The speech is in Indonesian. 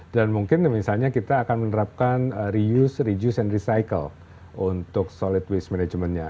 dan mungkin misalnya kita akan menerapkan reuse reduce and recycle untuk solid waste managementnya